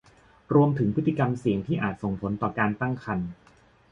รวมถึงพฤติกรรมเสี่ยงที่อาจส่งผลต่อการตั้งครรภ์